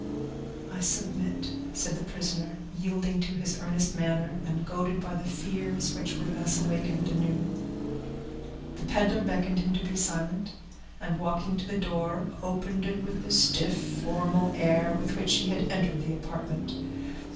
"I submit," said the prisoner, yielding to his earnest manner, and goaded by the fears that were thus awakened anew. The peddler beckoned him to be silent, and walking to the door, opened it, with the stiff, formal air with which he had entered the apartment.